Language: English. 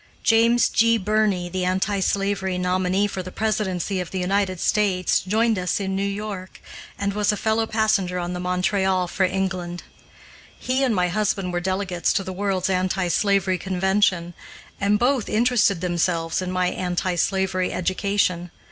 James G. Birney, the anti slavery nominee for the presidency of the United States, joined us in New York, and was a fellow passenger on the Montreal for England. He and my husband were delegates to the World's Anti slavery Convention, and both interested themselves in my anti slavery education.